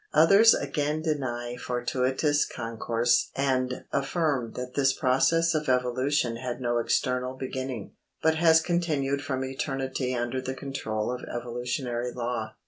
Others again deny fortuitous concourse and affirm that this process of evolution had no external beginning, but has continued from eternity under the control of evolutionary law.